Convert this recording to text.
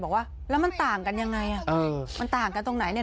บอกว่าแล้วมันต่างกันยังไงอ่ะเออมันต่างกันตรงไหนเนี่ย